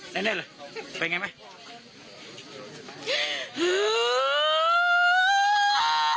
เล่นไปไงไหม